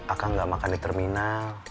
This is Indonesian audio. akan nggak makan di terminal